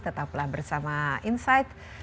tetaplah bersama insight